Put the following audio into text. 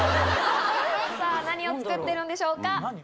さあ、何を造ってるんでしょうか。